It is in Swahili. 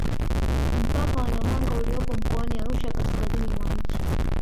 Mpaka wa Namanga uliopo mkoani Arusha kaskazini mwa nchi